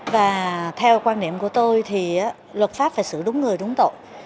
và theo quan điểm của tôi thì luật pháp phải xử đúng người đúng tội